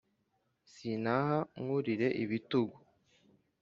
sinaha mwurire ibitugu